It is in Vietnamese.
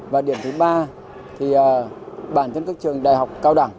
và điểm thứ ba thì bản thân các trường đại học cao đẳng